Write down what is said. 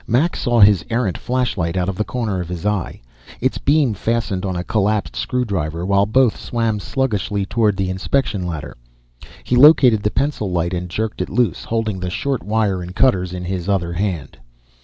Mac saw his errant flashlight out of the corner of his eye, its beam fastened on a collapsed screw driver while both swam sluggishly toward the inspection ladder. He located the pencil light and jerked it loose, holding the short wire and cutters in his other hand.